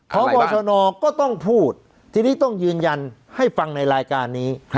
พบชนก็ต้องพูดทีนี้ต้องยืนยันให้ฟังในรายการนี้